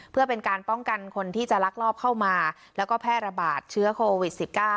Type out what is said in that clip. เพื่อเป็นการป้องกันคนที่จะลักลอบเข้ามาแล้วก็แพร่ระบาดเชื้อโควิด๑๙